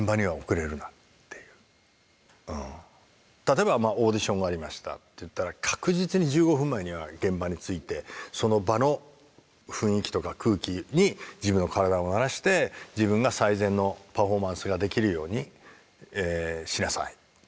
例えばオーディションがありましたっていったら確実に１５分前には現場に着いてその場の雰囲気とか空気に自分の体を慣らして自分が最善のパフォーマンスができるようにしなさいっていう。